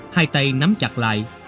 hai tay nắm chặt lại